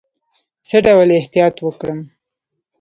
څه ډول احتیاط وکړم؟